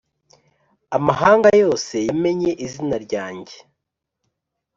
amahanga yose yamenye izina ryanjye.